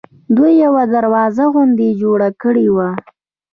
دوی یوه دروازه غوندې جوړه کړې وه.